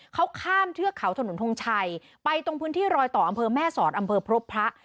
เขาข้ามเทือกเขาถนนทงชัยไปตรงพื้นที่รอยต่ออำเภอแม่สอดอำเภอพบพระ